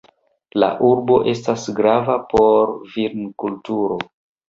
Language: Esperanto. La urbo estas grava por vinkulturo.